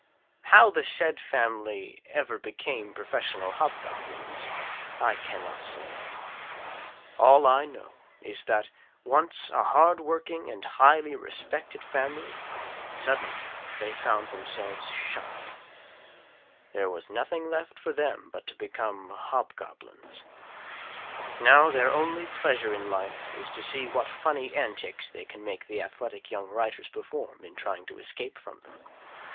How the SAID family ever became professional Hobgoblins, I can not say. All I know is that, once a hardworking and highly respected family, suddenly they found themselves shunned. There was nothing left for them but to become HOBGOBLINS. Now their only pleasure in life is to see what funny antics they can make the athletic young writers perform in trying to escape from them.